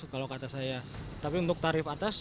kalau kata saya tapi untuk tarif atas